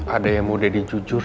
ada yang mau jadi jujur